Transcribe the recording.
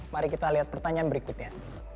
mari kita lihat pertanyaan berikutnya